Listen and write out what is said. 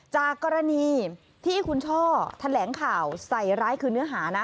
จากกรณีที่คุณช่อแถลงข่าวใส่ร้ายคือเนื้อหานะ